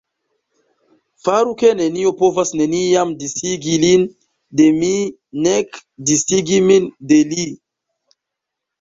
Faru ke nenio povas neniam disigi lin de mi nek disigi min de li”.